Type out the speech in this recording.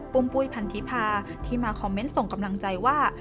ปุ้ยพันธิพาที่มาคอมเมนต์ส่งกำลังใจว่า